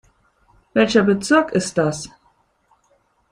Welcher Bezirk ist das?